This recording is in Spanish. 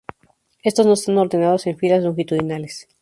Estos no están ordenados en filas longitudinales.